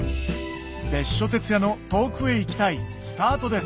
別所哲也の『遠くへ行きたい』スタートです